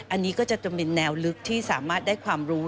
อันนี้ก็จะเป็นแนวลึกที่สามารถได้ความรู้